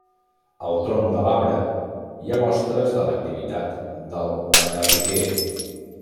Al tronc de l'arbre hi ha mostres de l'activitat del banyarriquer.